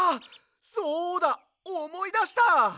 そうだおもいだした！